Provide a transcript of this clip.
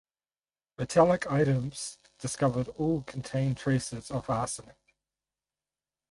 Metallic items discovered all contained traces of arsenic.